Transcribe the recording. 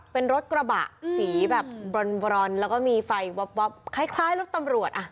เป็นรถกระบะสีแบบบรอนแล้วก็มีไฟวับคล้ายรถตำรวจอ่ะ